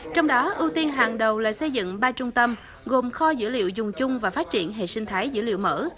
trong đó ưu tiên hàng đầu là xây dựng ba trung tâm gồm kho dữ liệu dùng chung và phát triển hệ sinh thái dữ liệu mở